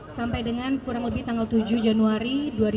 sampai dengan kurang lebih tanggal tujuh januari dua ribu dua puluh